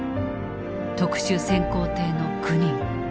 特殊潜航艇の９人。